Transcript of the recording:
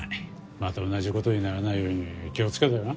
また同じことにならないように気をつけろよな。